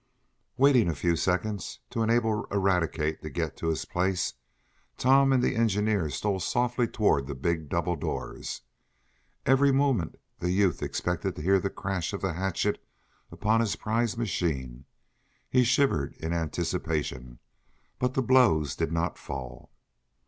Waiting a few seconds, to enable Eradicate to get to his place, Tom and the engineer stole softly toward the big double doors. Every moment the youth expected to hear the crash of the hatchet on his prize machine. He shivered in anticipation, but the blows did not fall.